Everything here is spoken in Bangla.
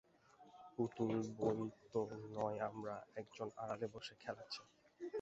পুতুল বই তো নই আমরা, একজন আড়ালে বসে খেলাচ্ছেন।